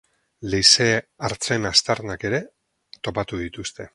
Leize-hartzen aztarnak ere topatu dituzte.